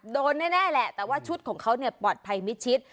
โดนแน่แหละแต่ว่าชุดของเขาเนี่ยปลอดภัยมิดชิด